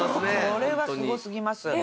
これはすごすぎます。